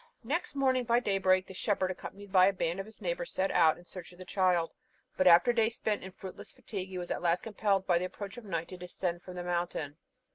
Next morning by daybreak, the shepherd, accompanied by a band of his neighbours, set out in search of the child, but, after a day spent in fruitless fatigue, he was at last compelled, by the approach of night, to descend from the mountain.